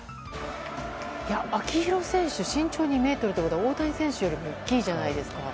秋広選手身長２ｍっていうことは大谷選手よりも大きいじゃないですか。